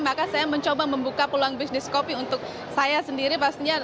maka saya mencoba membuka peluang bisnis kopi untuk saya sendiri pastinya